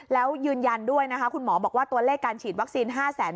แล้วยืนยันด้วยนะคะคุณหมอบอกว่าตัวเลขการฉีดวัคซีน๕แสน